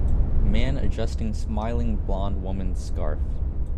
Man adjusting smiling blond woman s scarf